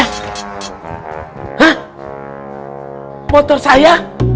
hah motor saya